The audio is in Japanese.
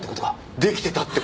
出来てたって事？